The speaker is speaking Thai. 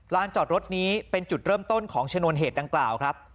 จอดรถนี้เป็นจุดเริ่มต้นของชนวนเหตุดังกล่าวครับ